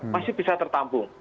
masih bisa tertampung